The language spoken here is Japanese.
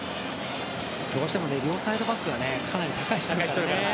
どうしても両サイドバックがかなり高い位置をとるからね。